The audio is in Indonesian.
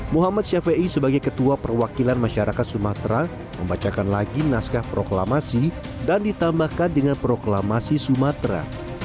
muhammad syafiei sebagai ketua perwakilan masyarakat sumatera membacakan lagi naskah proklamasi dan ditambahkan dengan proklamasi sumatera